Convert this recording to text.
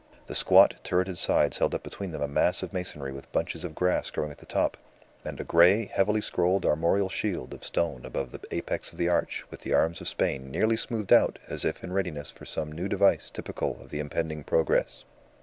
The squat turreted sides held up between them a mass of masonry with bunches of grass growing at the top, and a grey, heavily scrolled, armorial shield of stone above the apex of the arch with the arms of Spain nearly smoothed out as if in readiness for some new device typical of the impending progress.